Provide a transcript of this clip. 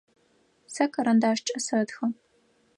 Сэ карандашкӏэ сэтхэ.